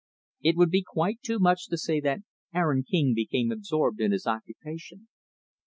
It would be quite too much to say that Aaron King became absorbed in his occupation.